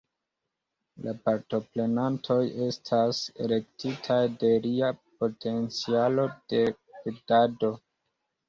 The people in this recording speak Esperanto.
La partoprenantoj estas elektitaj de lia potencialo de gvidado.